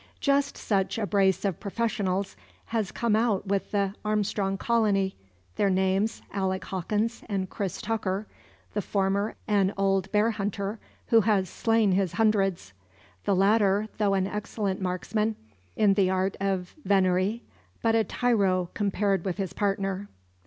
Just such a brace of professionals has come out with the Armstrong colony their names, Alec Hawkins and Cris Tucker the former an old bear hunter, who has slain his hundreds; the latter, though an excellent marksman, in the art of venerie but a tyro compared with his partner.